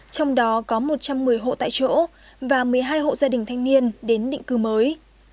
trong đó có một trăm một mươi hộ tại chỗ và một mươi hai hộ gia đình thanh niên đến định cư mới